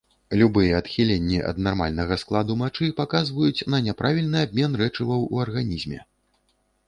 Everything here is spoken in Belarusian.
Любыя адхіленні ад нармальнага складу мачы паказваюць на няправільны абмен рэчываў у арганізме.